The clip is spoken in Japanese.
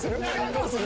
どうする？